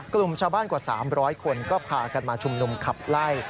กลุ่มชาวบ้านกว่า๓๐๐คนก็พากันมาชุมนุมขับไล่